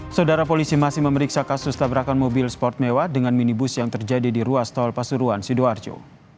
saudara polisi masih memeriksa kasus tabrakan mobil sport mewah dengan minibus yang terjadi di ruas tol pasuruan sidoarjo